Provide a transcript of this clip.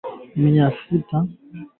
utahitaji viazi lishe gram ishirini